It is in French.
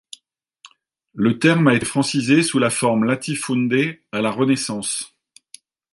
Le terme a été francisé sous la forme latifunde à la Renaissance.